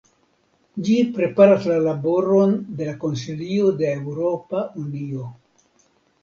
Ĝi preparas la laboron de la Konsilio de la Eŭropa Unio.